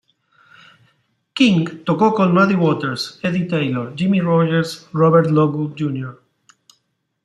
King tocó con Muddy Waters, Eddie Taylor, Jimmy Rogers, Robert Lockwood, Jr.